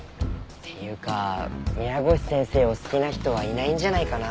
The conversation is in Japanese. っていうか宮越先生を好きな人はいないんじゃないかな。